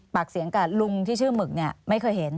ปากเสียงกับลุงที่ชื่อหมึกไม่เคยเห็น